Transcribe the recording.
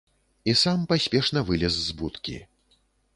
І сам паспешна вылез з будкі.